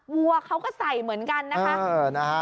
วัวเขาก็ใส่เหมือนกันนะคะ